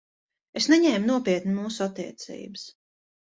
Es neņēmu nopietni mūsu attiecības.